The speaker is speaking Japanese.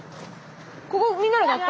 ここみんなの学校？